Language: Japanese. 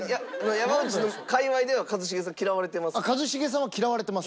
山内のかいわいでは一茂さん嫌われてます？